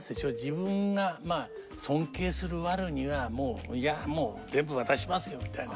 自分が尊敬するワルにはもう「いやもう全部渡しますよ」みたいな。